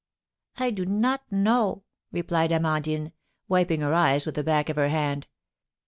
"I do not know," replied Amandine, wiping her eyes with the back of her hand.